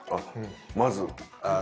まず。